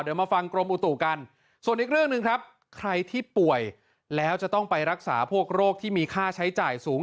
เดี๋ยวมาฟังกรมอุตุกันส่วนอีกเรื่องหนึ่งครับใครที่ป่วยแล้วจะต้องไปรักษาพวกโรคที่มีค่าใช้จ่ายสูง